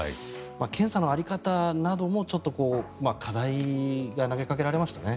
検査の在り方などもちょっと課題が投げかけられましたね。